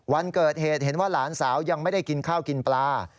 วันเกิดเหตุเห็นว่าหลานสาวยังไม่ได้กินข้าวกินปลา